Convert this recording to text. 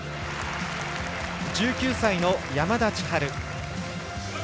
１９歳の山田千遥。